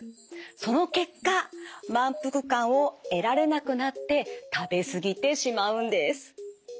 その結果満腹感を得られなくなって食べ過ぎてしまうんです。